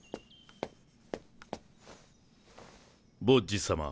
ボッジ様。